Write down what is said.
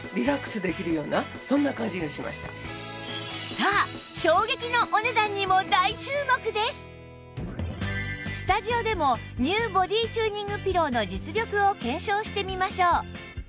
さあスタジオでも ＮＥＷ ボディチューニングピローの実力を検証してみましょう